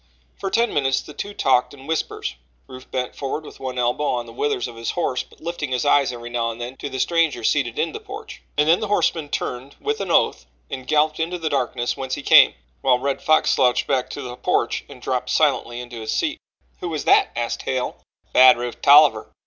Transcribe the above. For ten minutes the two talked in whispers Rufe bent forward with one elbow on the withers of his horse but lifting his eyes every now and then to the stranger seated in the porch and then the horseman turned with an oath and galloped into the darkness whence he came, while the Red Fox slouched back to the porch and dropped silently into his seat. "Who was that?" asked Hale. "Bad Rufe Tolliver."